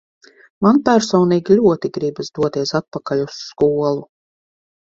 Man personīgi ļoti gribas doties atpakaļ uz skolu.